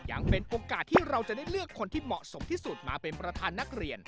ยังเป็นโอกาสที่เราจะได้เลือกคนที่เหมาะสมที่สุดมาเป็นประธานนักเรียน